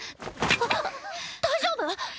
あっ大丈夫⁉